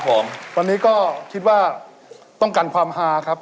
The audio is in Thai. ผมวันนี้ก็คิดว่าต้องการความฮาครับ